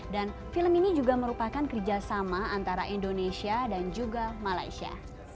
dan film ini juga merupakan kerjasama antara indonesia dan juga malaysia